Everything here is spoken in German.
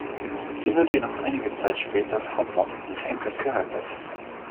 Sie wird jedoch einige Zeit später vom Mob des Henkers gerettet.